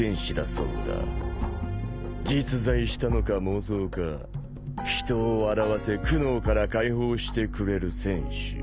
実在したのか妄想か人を笑わせ苦悩から解放してくれる戦士。